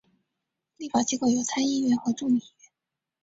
立法机构有参议院和众议院。